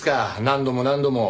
何度も何度も。